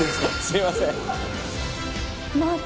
すみません」